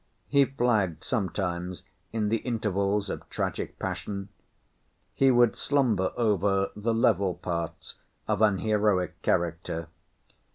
He flagged sometimes in the intervals of tragic passion. He would slumber over the level parts of an heroic character.